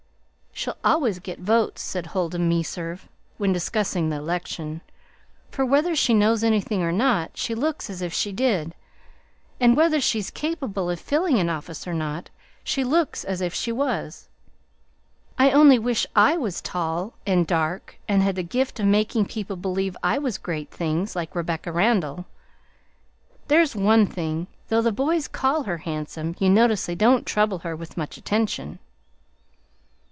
"She'll always get votes," said Huldah Meserve, when discussing the election, "for whether she knows anything or not, she looks as if she did, and whether she's capable of filling an office or not, she looks as if she was. I only wish I was tall and dark and had the gift of making people believe I was great things, like Rebecca Randall. There's one thing: though the boys call her handsome, you notice they don't trouble her with much attention."